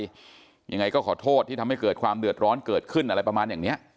ยังไงก็ขอโทษที่ทำให้เกิดความเดือดร้อนเกิดขึ้นอะไรประมาณอย่างเนี้ย